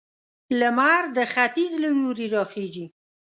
لمر د ختيځ له لوري راخيژي